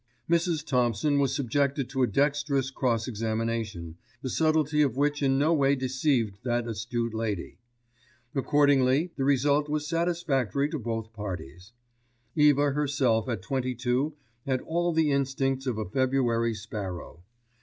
Mrs. Thompson was subjected to a dexterous cross examination, the subtlety of which in no way deceived that astute lady. Accordingly the result was satisfactory to both parties. Eva herself at twenty two had all the instincts of a February sparrow.